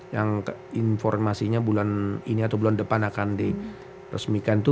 yang informasinya bulan ini atau bulan depan akan diresmikan itu